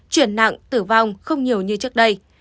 chuyển nặng tử vong không nhiều như trước đây